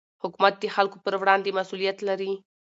حکومت د خلکو پر وړاندې مسوولیت لري